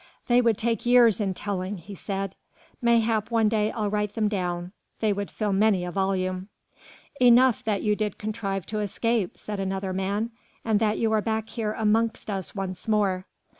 "They would take years in telling," he said, "mayhap one day I'll write them down. They would fill many a volume." "Enough that you did contrive to escape," said another man, "and that you are back here amongst us once more."